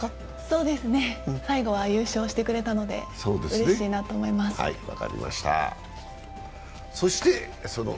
そうですね、最後は優勝してくれたのでうれしいなと思いました。